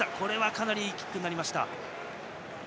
かなりいいキックになりました。